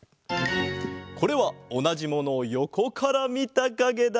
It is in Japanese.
これはおなじものをよこからみたかげだ。